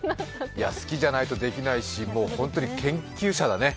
好きじゃないとできないし本当に研究者だね。